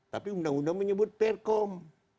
tapi undang undang menyebut perkom